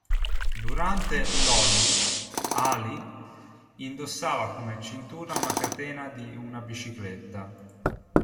Durante l"'ollie" Ali indossava come cintura una catena di una bicicletta.